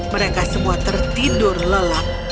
mereka semua tertidur lelap